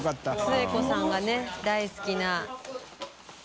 末子さんがね大好きな。